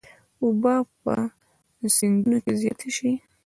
اوبه به په سیندونو کې زیاتې شي.